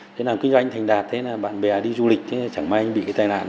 thế nào kinh doanh thành đạt thế là bạn bè đi du lịch thế chẳng may anh bị cái tai nạn